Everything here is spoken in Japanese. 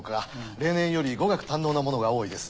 例年より語学堪能な者が多いです。